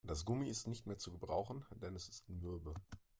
Das Gummi ist nicht mehr zu gebrauchen, denn es ist mürbe.